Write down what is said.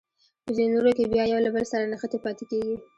په ځینو نورو کې بیا یو له بل سره نښتې پاتې کیږي.